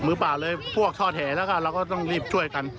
มื้อเปล่าเลยพวกช่อแถแล้วค่ะเราก็ต้องรีบช่วยกัน